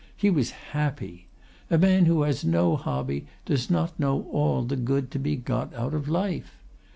He was happy! A man who has no hobby does not know all the good to be got out of life.